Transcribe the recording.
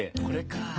これか。